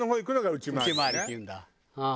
内回りっていうんだ。